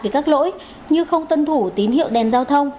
vì các lỗi như không tân thủ tín hiệu đèn giao thông